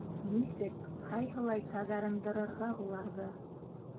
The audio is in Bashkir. Нисек, ҡайһылай таҙарындырырға уларҙы?